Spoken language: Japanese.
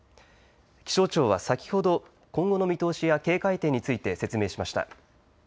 気象庁は先ほど今後の見通しや警戒点について説明しました。